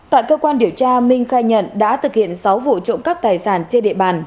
tại cơ quan điều tra minh khai nhận đã thực hiện sáu vụ trộm cắp tài sản trên địa bàn